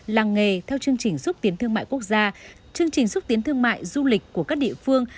làng nghề theo chương trình xúc tiến thương mại quốc gia chương trình xúc tiến thương mại du lịch của các địa phương